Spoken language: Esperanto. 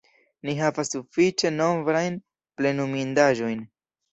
Ni havas sufiĉe nombrajn plenumindaĵojn.